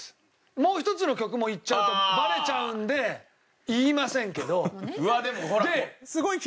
もう一つの曲も言っちゃうとバレちゃうんで言いませんけど。